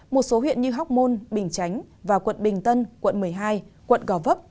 một số huyện như hóc môn bình chánh và quận bình tân quận một mươi hai quận gò vấp